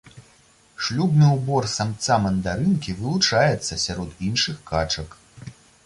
Шлюбны ўбор самца мандарынкі вылучаецца сярод іншых качак.